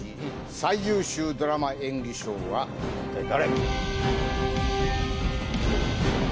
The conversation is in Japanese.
最優秀ドラマ演技賞は一体誰？